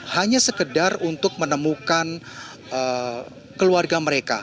hanya sekedar untuk menemukan keluarga mereka